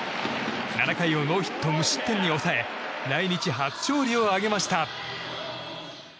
７回をノーヒット、無失点に抑え来日初勝利を挙げました。